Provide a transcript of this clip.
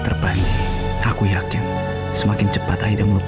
memang aku punya urusan apa sama kamu